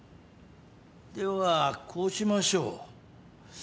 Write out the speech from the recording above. ではこうしましょう。